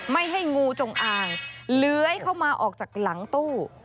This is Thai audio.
ไม่ให้งูจงอางเลื้อยเข้ามาออกจากหลังตู้